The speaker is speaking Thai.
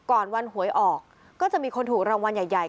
วันหวยออกก็จะมีคนถูกรางวัลใหญ่